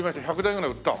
１００台ぐらい売った？